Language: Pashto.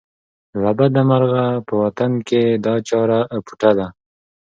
له بده مرغه په وطن کې دا چاره اپوټه ده.